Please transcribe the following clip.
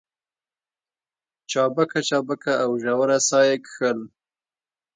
چابکه چابکه او ژوره ساه يې کښل.